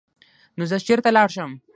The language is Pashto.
نو زۀ چرته لاړ شم ـ